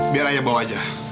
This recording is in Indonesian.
biar ayah bawa aja